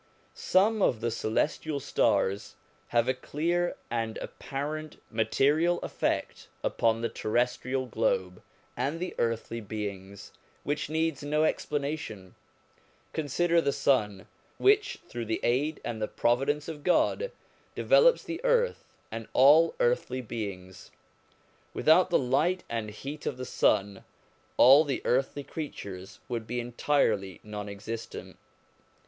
Some of the celestial stars have a clear and apparent material effect upon the terrestrial globe and the earthly beings, which needs no explanation. Con sider the sun, which through the aid and the provi dence of God develops the earth and all earthly beings. Without the light and heat of the sun, all the earthly creatures would be entirely non existent.